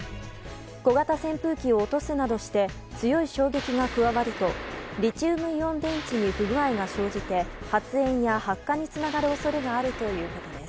小型扇風機を落とすなどして強い衝撃が加わるとリチウムイオン電池に不具合が生じて発煙や発火につながる恐れがあるということです。